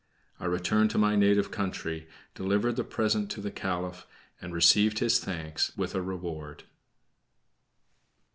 I returned to my native country, delivered the present to the Caliph, and received his thanks, with a reward.